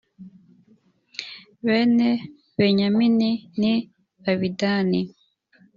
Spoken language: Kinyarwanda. bene benyamini ni abidani